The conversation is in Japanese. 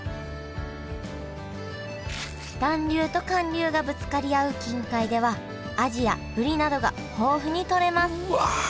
暖流と寒流がぶつかり合う近海ではアジやブリなどが豊富に取れますうわ